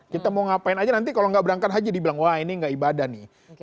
kita mau ngapain aja nanti kalau nggak berangkat haji dibilang wah ini nggak ibadah nih